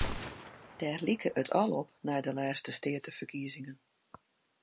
Dêr like it al op nei de lêste steateferkiezingen.